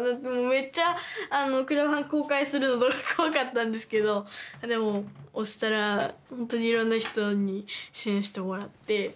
めっちゃクラファン公開するのとか怖かったんですけどでも押したらほんとにいろんな人に支援してもらって。